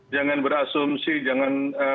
jangan berasumsi jangan